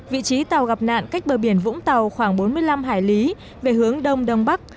vị trí tàu gặp nạn cách bờ biển vũng tàu khoảng bốn mươi năm hải lý về hướng đông đông bắc